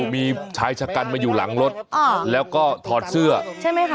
มีชายชะกันมาอยู่หลังรถแล้วก็ถอดเสื้อใช่ไหมคะ